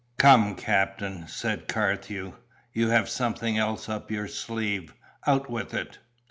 "Come, Captain," said Carthew, "you have something else up your sleeve; out with it!"